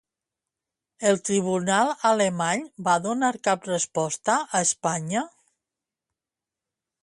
El tribunal alemany va donar cap resposta a Espanya?